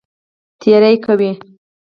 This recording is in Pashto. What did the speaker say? تېری کوي.